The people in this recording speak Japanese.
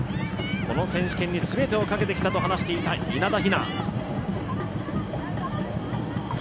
この選手権に全てをかけてきたと話した稲田雛。